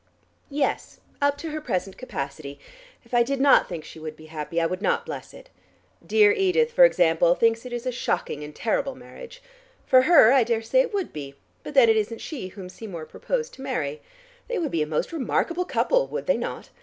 "Yes, up to her present capacity. If I did not think she would be happy, I would not bless it. Dear Edith, for example, thinks it is a shocking and terrible marriage. For her I daresay it would be, but then it isn't she whom Seymour proposed to marry. They would be a most remarkable couple, would they not?